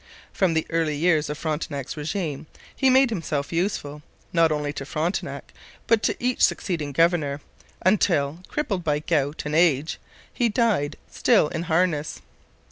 From the early years of Frontenac's regime he made himself useful, not only to Frontenac but to each succeeding governor, until, crippled by gout and age, he died, still in harness.